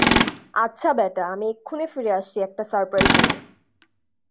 আচ্ছা, বেটা, আমি এক্ষুণি ফিরে আসছি একটা সারপ্রাইজ নিয়ে।